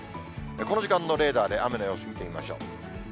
この時間のレーダーで雨の様子、見てみましょう。